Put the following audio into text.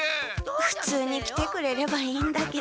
ふつうに来てくれればいいんだけど。